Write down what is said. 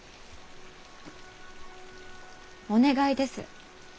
お願いです。